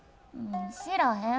知らへん。